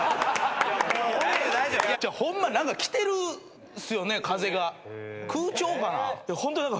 ホンマ来てるっすよね風が。